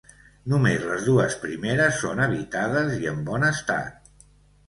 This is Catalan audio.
Només les dues primeres són habitades i en bon estat.